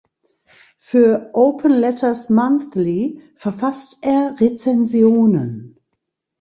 Für "Open Letters Monthly" verfasst er Rezensionen.